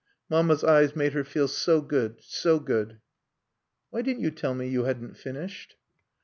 Mamma's eyes made her feel so good, so good. "Why didn't you tell me you hadn't finished?"